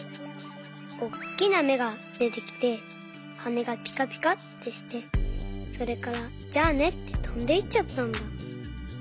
おっきなめがでてきてはねがぴかぴかってしてそれから「じゃあね」ってとんでいっちゃったんだ。